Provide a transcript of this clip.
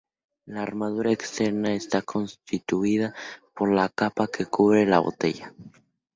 La armadura externa está constituida por la capa que cubre la botella.